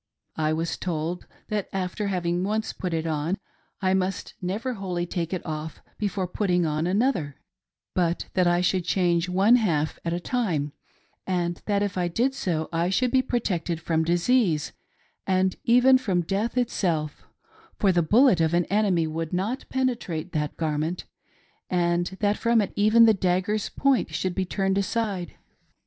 I was told that after having once put it on,. I must never wholly take it off before putting on another, but that I should change one half at a time, and that if I did so I should be protected from disease and even from death itself ; for the bullet of an enemy would not penetrate that garment, and that from it even the dagger's point should be turned aside.